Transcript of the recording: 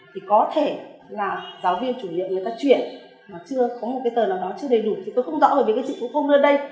có thể là giáo viên chủ liệu người ta chuyển mà chưa có một cái tờ nào đó chưa đầy đủ thì tôi không rõ về cái trị phú công ở đây